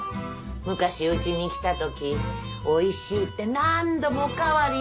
昔うちに来た時おいしいって何度もおかわりしてたでしょ。